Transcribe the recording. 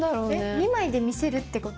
２枚で見せるってこと？